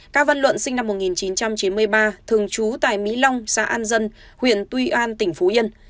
cao văn luận sinh năm một nghìn chín trăm chín mươi ba thường trú tại mỹ long xã an dân huyện tuy an tỉnh phú yên